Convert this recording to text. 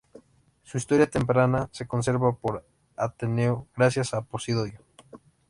Su historia temprana se conserva por Ateneo, gracias a Posidonio.